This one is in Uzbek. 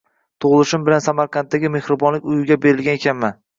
Tug‘ilishim bilan Samarqanddagi mehribonlik uyiga berilgan ekanman.